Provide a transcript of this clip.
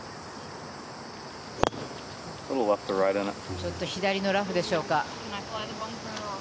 ちょっと左のラフでしょうか。